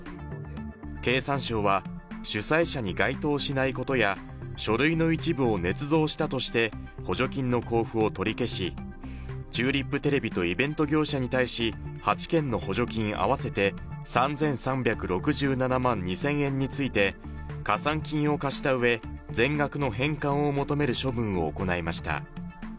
経産省は主催者に該当しないことや書類の一部をねつ造したとして、補助金の一部を取り消し、チューリップテレビとイベント業者に対し８件の補助金合わせて３３６７万２０００円について加算金を課したうえ全額の返還を求める処分を行いました。